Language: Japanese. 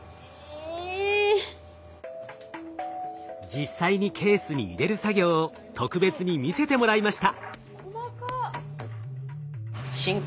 実際にケースに入れる作業を特別に見せてもらいました。